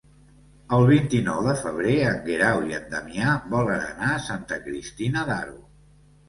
El vint-i-nou de febrer en Guerau i en Damià volen anar a Santa Cristina d'Aro.